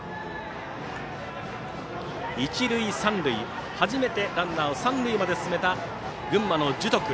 一塁三塁と初めてランナーを三塁まで進めた群馬の樹徳。